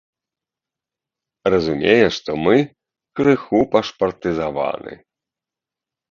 Разумее, што мы крыху пашпартызаваны.